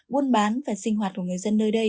buôn bán và sinh hoạt của người dân nơi đây